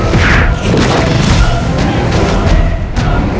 itu adalah perintahmu